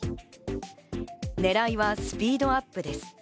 狙いはスピードアップです。